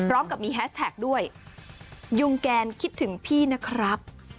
พร้อมกับมีแฮสแท็กด้วยยุงแกนคิดถึงพี่นะครับ